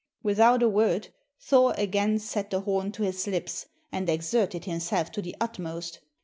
Without a word, Thor again set the horn to his lips and exerted himself to the utmost.